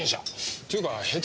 っていうか下手